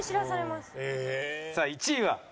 さあ１位は？